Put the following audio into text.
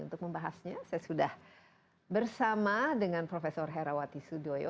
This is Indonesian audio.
untuk membahasnya saya sudah bersama dengan prof herawati sudoyo